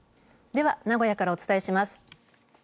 では、名古屋からお伝えします。